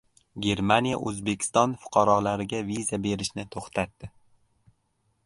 Germaniya O‘zbekiston fuqarolariga viza berishni to‘xtatdi